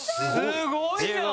「すごいな！」